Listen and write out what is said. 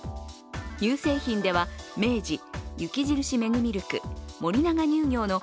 乳製品では明治、雪印メグミルク、森永乳業の